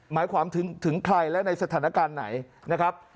หมายความถึงใครและในสถานการณ์ไหนนะครับ